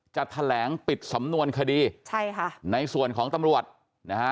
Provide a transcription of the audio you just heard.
จะแถลงปิดสำนวนคดีใช่ค่ะในส่วนของตำรวจนะฮะ